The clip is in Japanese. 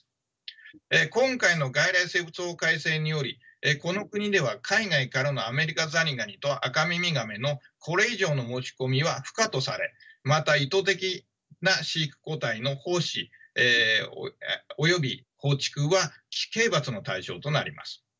今回の外来生物法改正によりこの国では海外からのアメリカザリガニとアカミミガメのこれ以上の持ち込みは不可とされまた意図的な飼育個体の放飼および放逐は刑罰の対象となります。